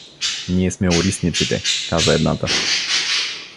— Ние сме орисниците — каза едната.